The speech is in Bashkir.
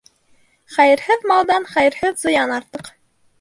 Хәйерһеҙ малдан хәйерһеҙ зыян артыҡ.